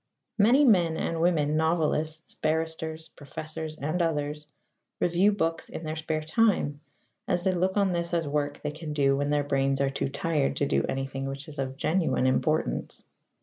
Many men and women novelists, barristers, professors and others review books in their spare time, as they look on this as work they can do when their brains are too tired to do anything which is of genuine importance.